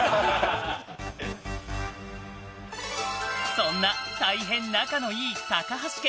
そんな大変仲の良い高橋家。